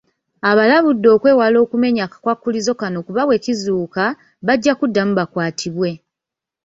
Abalabudde okwewala okumenya akakwakkulizo konna kuba bwe kizuuka, bajja kuddamu bakwatibwe.